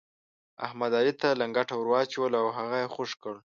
احمد، علي ته لنګته ور واچوله او هغه يې خوږ کړ.